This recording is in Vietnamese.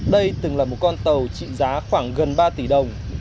đây từng là một con tàu trị giá khoảng gần ba tỷ đồng